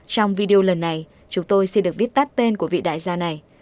trong video lần này chúng tôi sẽ được viết tắt tên của vị đại gia này